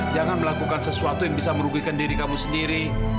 jangan melakukan sesuatu yang bisa merugikan diri kamu sendiri